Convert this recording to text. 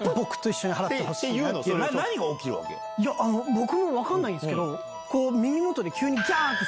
僕も分かんないんすけど。